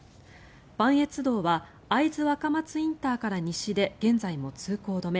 磐越道は会津若松ＩＣから西で現在も通行止め。